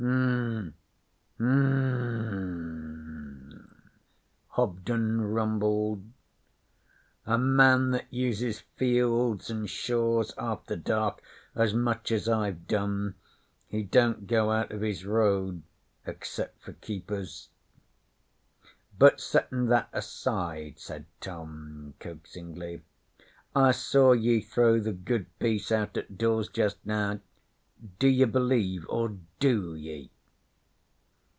'Um um,' Hobden rumbled. 'A man that uses fields an' shaws after dark as much as I've done, he don't go out of his road excep' for keepers.' 'But settin' that aside?' said Tom, coaxingly. 'I saw ye throw the Good Piece out at doors just now. Do ye believe or do ye?'